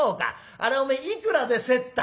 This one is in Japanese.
あれはお前いくらで競った？」。